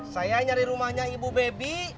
saya nyari rumahnya ibu baby